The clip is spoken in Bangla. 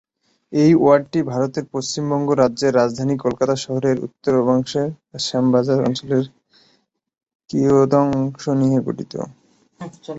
এই ওয়ার্ডটি ভারতের পশ্চিমবঙ্গ রাজ্যের রাজধানী কলকাতা শহরের উত্তরাংশের শ্যামবাজার অঞ্চলের কিয়দংশ নিয়ে গঠিত।